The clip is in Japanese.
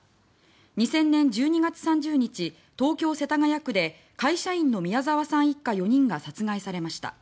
２０００年１２月３０日東京・世田谷区で会社員の宮沢さん一家４人が殺害されました。